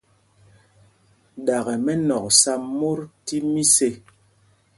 Ɗakɛ mɛnɔ̂k sá mot tí mis ê.